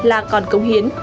là còn công hiến